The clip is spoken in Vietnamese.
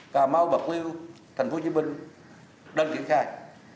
như là cà mau bạc liêu tp hcm đơn kiện khai